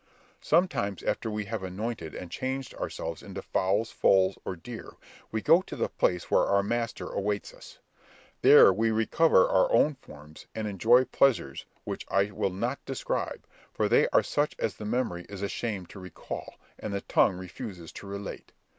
Sometimes after we have anointed and changed ourselves into fowls, foals, or deer, we go to the place where our master awaits us. There we recover our own forms and enjoy pleasures which I will not describe, for they are such as the memory is ashamed to recal, and the tongue refuses to relate.